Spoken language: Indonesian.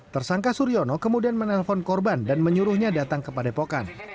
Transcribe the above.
tersangka suryono kemudian menelpon korban dan menyuruhnya datang ke padepokan